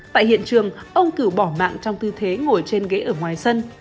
tại hiện trường ông cửu bỏ mạng trong tư thế ngồi trên ghế ở ngoài sân